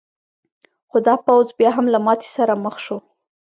خو دا پوځ بیا هم له ماتې سره مخ شو.